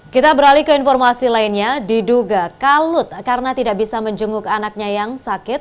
kita beralih ke informasi lainnya diduga kalut karena tidak bisa menjenguk anaknya yang sakit